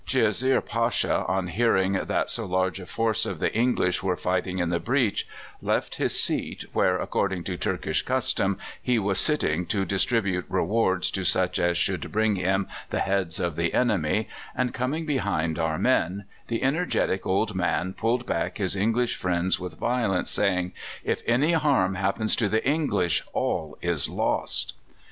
Djezzar Pasha, on hearing that so large a force of the English were fighting in the breach, left his seat, where, according to Turkish custom, he was sitting to distribute rewards to such as should bring him the heads of the enemy, and coming behind our men, the energetic old man pulled back his English friends with violence, saying, "If any harm happen to the English, all is lost."